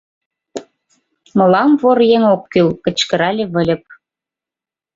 — Мылам вор еҥ ок кӱл! — кычкырале Выльып.